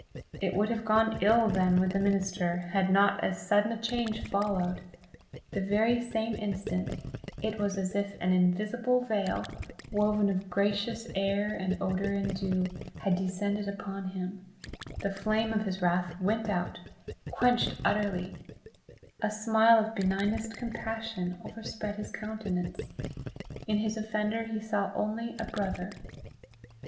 It would have gone ill then with the minister, had not as sudden a change followed; the very same instant, it was as if an invisible veil, woven of gracious air and odour and dew, had descended upon him; the flame of his wrath went out, quenched utterly; a smile of benignest compassion overspread his countenance; in his offender he saw only a brother.